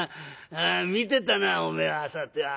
見てたなおめえはさては？